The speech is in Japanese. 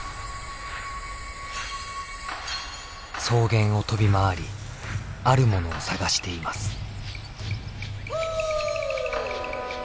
草原を飛び回りあるものを探しています。